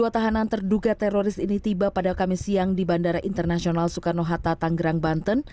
dua tahanan terduga teroris ini tiba pada kamis siang di bandara internasional soekarno hatta tanggerang banten